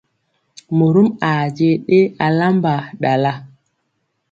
Morom a je ɗe alamba ɗala.